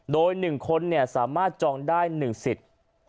โดย๑คนสามารถจองได้๑สิทธิ์